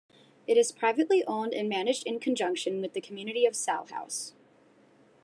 It is privately owned and managed in conjunction with the community of Salhouse.